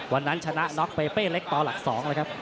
วันนั้นชนะน็อกไปเป้เล็กต่อหลักสอง